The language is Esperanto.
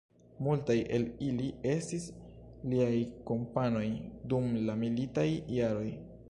Multaj el ili estis liaj kompanoj dum la militaj jaroj.